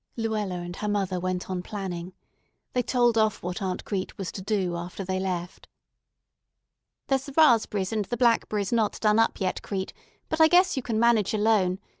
Luella and her mother went on planning. They told off what Aunt Crete was to do after they left. "There's the raspberries and blackberries not done up yet, Crete, but I guess you can manage alone.